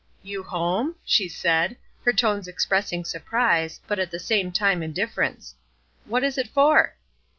"You home?" she said, her tones expressing surprise, but at the same time indifference. "What is it for?"